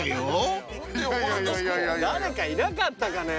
誰かいなかったかね。